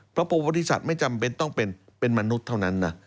ประวัติศาสตร์ไม่จำเป็นต้องเป็นมนุษย์เท่านั้นนะ